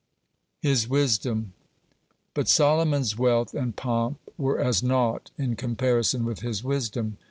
HIS WISDOM But Solomon's wealth and pomp were as naught in comparison with his wisdom.